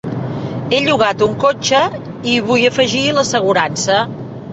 He llogat un cotxe i vull afegir l'assegurança.